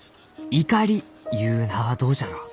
『イカリ』ゆう名はどうじゃろう？